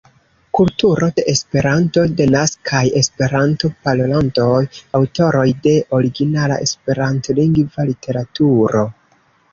Kulturo de Esperanto, Denaskaj Esperanto-parolantoj, Aŭtoroj de originala Esperantlingva literaturo.